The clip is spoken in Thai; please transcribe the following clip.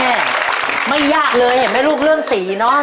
เนี่ยไม่ยากเลยเห็นมั้ยลูกเรื่องสีเนาะ